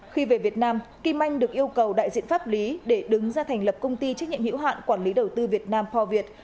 khi về việt nam kim anh được yêu cầu đại diện pháp lý để đứng ra thành lập công ty trách nhiệm hữu hạn quản lý đầu tư việt nam khoa việt